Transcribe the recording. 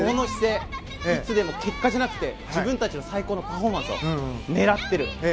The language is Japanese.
いつでも結果じゃなくて自分たちの最高のパフォーマンスを狙っている。